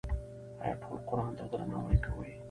آیا ټول قرآن ته درناوی کوي؟